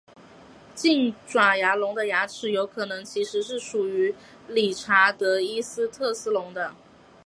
近爪牙龙的牙齿有可能其实是属于理查德伊斯特斯龙的。